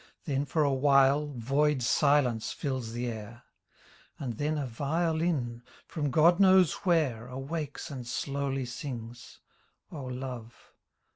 Then for a while void silence fills the air; And then a violin (from God knows where) Awakes and slowly sings: Oh Love